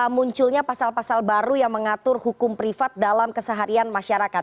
munculnya pasal pasal baru yang mengatur hukum privat dalam keseharian masyarakat